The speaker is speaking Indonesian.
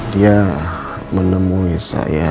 dia menemui saya